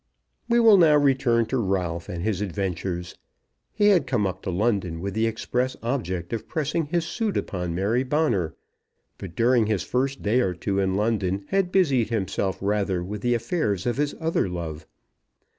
We will now return to Ralph and his adventures. He had come up to London with the express object of pressing his suit upon Mary Bonner; but during his first day or two in London had busied himself rather with the affairs of his other love.